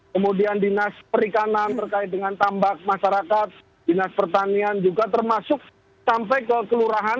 kemudian dinas perikanan terkait dengan tambak masyarakat dinas pertanian juga termasuk sampai ke kelurahan